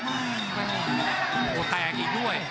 โอ้โหแตกอีกด้วย